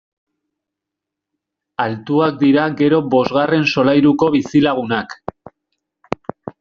Altuak dira gero bosgarren solairuko bizilagunak!